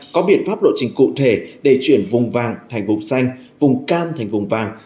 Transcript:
có biện pháp lộ trình cụ thể để chuyển vùng vàng thành vùng xanh vùng cam thành vùng vàng